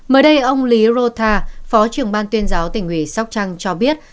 mới đây ông lý rota phó trưởng ban tuyên giáo tỉnh hủy sóc trăng cho biết